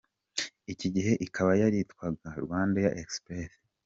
Iki gihe ikaba yaritwaga “RwandAir Express”,